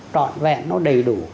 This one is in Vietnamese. trọn vẹn nó đầy đủ